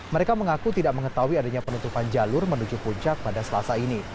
mereka mengaku tidak mengetahui adanya penutupan jalur menuju puncak pada selasa ini